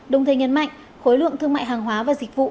đồng thời nhấn mạnh khối lượng thương mại hàng hóa và dịch vụ